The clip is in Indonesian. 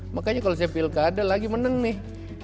makanya kalau saya pilkada lagi menang nih